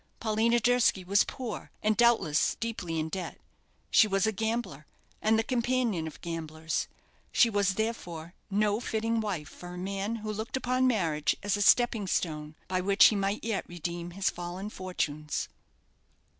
Paulina Durski was poor, and doubtless deeply in debt. She was a gambler, and the companion of gamblers. She was, therefore, no fitting wife for a man who looked upon marriage as a stepping stone by which he might yet redeem his fallen fortunes.